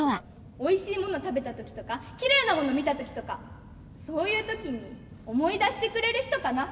おいしいもの食べたときとかきれいなものみたときとかそういう時に思い出してくれる人かな。